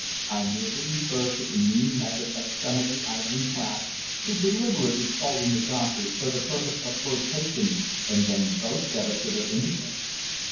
I merely refer to the mean method of some of the idling class, who deliberately call in the doctor for the purpose of flirtation and then boast of it to their intimates.